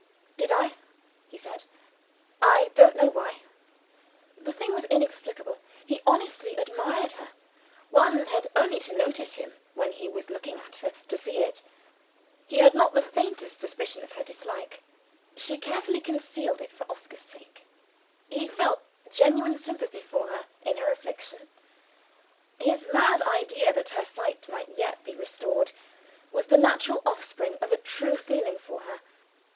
"Did I?" he said. "I don't know why." The thing was really inexplicable. He honestly admired her one had only to notice him when he was looking at her to see it. He had not the faintest suspicion of her dislike for him she carefully concealed it for Oscar's sake. He felt genuine sympathy for her in her affliction his mad idea that her sight might yet be restored, was the natural offspring of a true feeling for her.